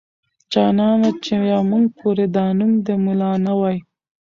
جانانه چې يا موږ پورې دا نوم د ملا نه واي.